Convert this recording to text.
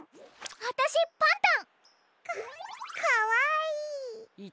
わたしパンタン。かかわいい。